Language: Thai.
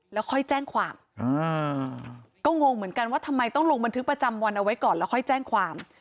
แล้วค่อยแจ้งความก็งงเหมือนกันว่าทำไมต้องลงบันทึกประจำวันเอาไว้ก่อนแล้วค่อยแจ้งความ